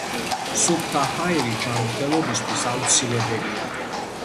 სუფთა ჰაერი ჯანმრთელობისთვის აუცილებელია